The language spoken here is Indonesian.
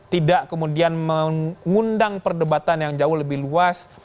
tidak kemudian mengundang perdebatan yang jauh lebih luas